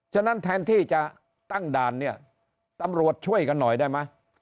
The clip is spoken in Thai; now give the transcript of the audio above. ฉะนั้นแทนที่จะตั้งด่านเนี่ยตำรวจช่วยกันหน่อยได้ไหม